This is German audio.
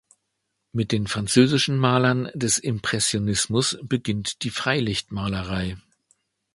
Mit den französischen Malern des Impressionismus beginnt die Freilichtmalerei.